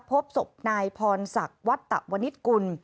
พบศพนายพรศักดิ์วัตตะวนิษฐกุล